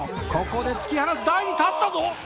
ここで突き放す台に立ったぞ！